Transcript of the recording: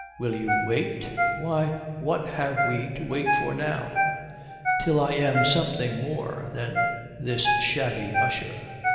Will you wait?" "Why, what have we to wait for now?" "Till I am something more than this shabby usher."